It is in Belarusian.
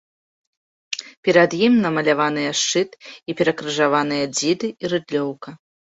Перад ім намаляваныя шчыт і перакрыжаваныя дзіды і рыдлёўка.